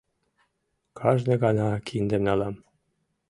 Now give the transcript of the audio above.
— Кажне гана киндым налам.